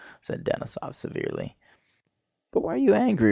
said Denísov severely. "But why are you angry?"